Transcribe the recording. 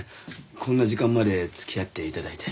こんな時間まで付き合って頂いて。